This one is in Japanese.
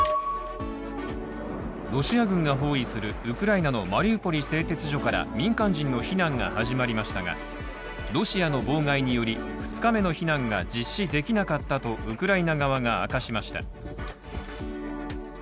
ロシア軍が包囲するウクライナのマリウポリ製鉄所から、民間人の避難が始まりましたが、ロシアの妨害により２日目の避難が実施できなかったと、ウクライナ側が明かしました。